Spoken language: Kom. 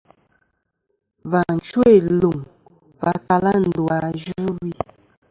Và chwo iluŋ va tala ndu a yvɨwi.